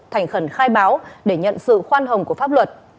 thành khẩn khai báo để nhận sự khoan hồng của pháp luật